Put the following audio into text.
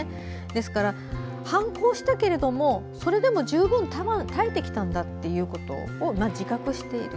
ですから、反抗したけれどもそれでも十分耐えてきたんだということを自覚している。